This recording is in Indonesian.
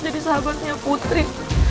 jadi sahabatnya putri